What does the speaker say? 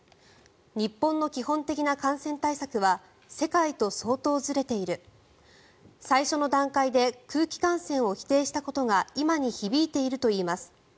日本の基本的な感染対策は世界と相当ずれている最初の段階で空気感染を否定したことが今に響いているといいます。